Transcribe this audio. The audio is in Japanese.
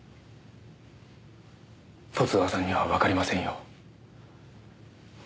十津川さんにはわかりませんよ。